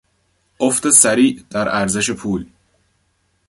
افت سریع در ارزش پول